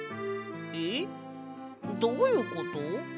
えっどういうこと？